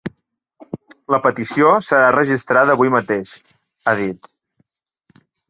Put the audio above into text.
La petició serà registrada avui mateix, ha dit.